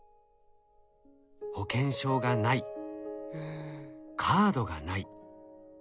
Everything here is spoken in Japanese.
「保険証がない」「カードがない」。